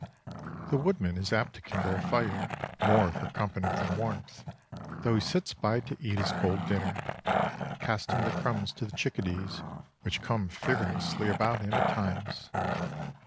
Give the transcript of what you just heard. The woodman is apt to kindle a fire more for company than warmth, though he sits by it to eat his cold dinner, casting the crumbs to the chickadees, which come fearlessly about him at all times.